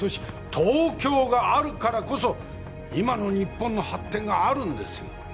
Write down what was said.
東京があるからこそ今の日本の発展があるんですよ